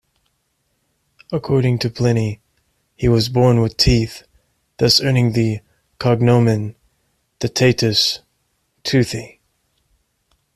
According to Pliny, he was born with teeth, thus earning the "cognomen" Dentatus, "Toothy.